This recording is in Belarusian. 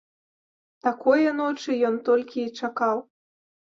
Такое ночы ён толькі і чакаў.